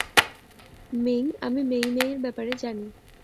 Ming, আমি মেই-মেইয়ের ব্যাপারে জানি।